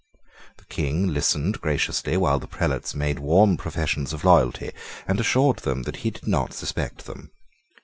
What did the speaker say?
The King listened graciously while the prelates made warm professions of loyalty, and assured them that he did not suspect them.